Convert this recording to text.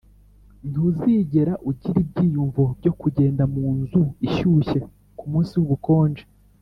ntuzigera ugira ibyiyumvo byo kugenda munzu ishyushye kumunsi wubukonje